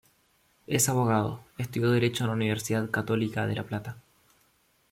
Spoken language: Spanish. Es abogado, estudió Derecho en la Universidad Católica de La Plata.